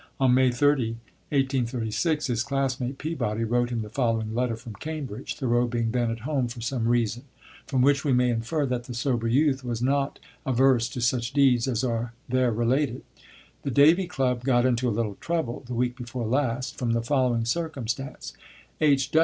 On May 30, 1836, his classmate Peabody wrote him the following letter from Cambridge, Thoreau being then at home, for some reason, from which we may infer that the sober youth was not averse to such deeds as are there related: "The Davy Club got into a little trouble, the week before last, from the following circumstance: H.